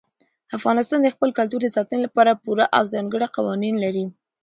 افغانستان د خپل کلتور د ساتنې لپاره پوره او ځانګړي قوانین لري.